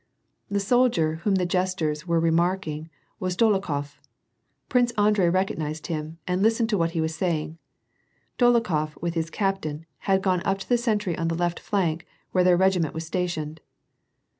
The soldier whom the jesters were remarking was Dolo khof. Prince Andrei recognized him, and listened to what he was saying. Dolokhof, with his captain, had gone op to the sentry on the left flank, where their regiment was star tioned.